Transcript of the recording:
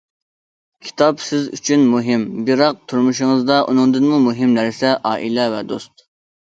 كىتاب سىز ئۈچۈن مۇھىم، بىراق تۇرمۇشىڭىزدا ئۇنىڭدىنمۇ مۇھىم نەرسە- ئائىلە ۋە دوست.